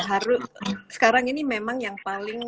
harus sekarang ini memang yang paling